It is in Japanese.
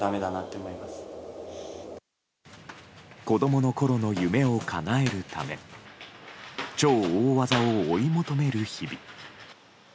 子供のころの夢をかなえるため超大技を追い求める日々。